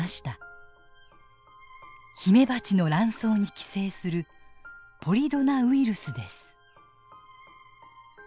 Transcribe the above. ヒメバチの卵巣に寄生する「ポリドナウイルス」です。